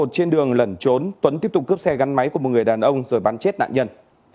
trên đường lẩn trốn tuấn tiếp tục cướp xe gắn máy của một người đàn ông rồi bắn chết nạn nhân